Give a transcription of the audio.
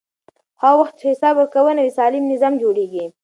هغه وخت چې حساب ورکونه وي، سالم نظام جوړېږي.